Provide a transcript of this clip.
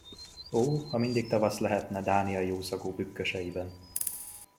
Ó, ha mindig tavasz lehetne Dánia jó szagú bükköseiben!